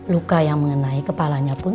luka yang mengenai kepalanya pun